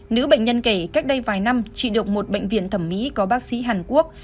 nữ bệnh nhân kể cách đây vài năm chị được một bệnh viện thẩm mỹ có bác sĩ hàn quốc